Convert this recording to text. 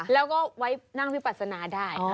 แล้วก็ไว้นั่งวิปัสนาได้